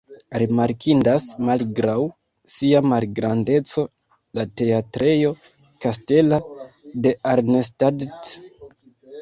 Rimarkindas, malgraŭ sia malgrandeco, la Teatrejo kastela de Arnstadt.